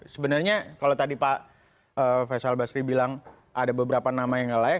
sebenarnya kalau tadi pak faisal basri bilang ada beberapa nama yang layak